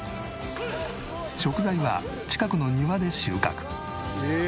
食材は近くの庭で収穫。